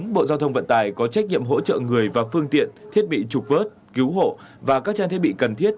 bộ giao thông vận tải có trách nhiệm hỗ trợ người và phương tiện thiết bị trục vớt cứu hộ và các trang thiết bị cần thiết